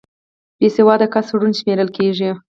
بې سواده کس ړوند شمېرل کېږي